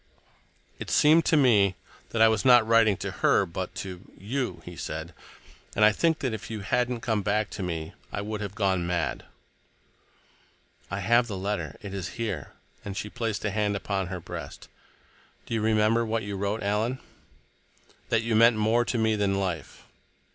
"It seemed to me that I was not writing it to her, but to you" he said. "And I think that if you hadn't come back to me I would have gone mad." "I have the letter. It is here"—and she placed a hand upon her breast. "Do you remember what you wrote, Alan?" "That you meant more to me than life."